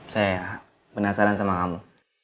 saya penasaran sama kamu